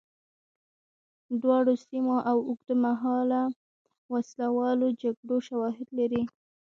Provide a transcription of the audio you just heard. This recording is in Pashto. دواړو سیمو د اوږدمهاله وسله والو جګړو شواهد لري.